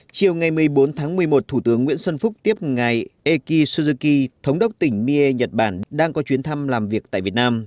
chiều ngày một mươi bốn tháng một mươi một thủ tướng nguyễn xuân phúc tiếp ngài eki suzuki thống đốc tỉnh mie nhật bản đang có chuyến thăm làm việc tại việt nam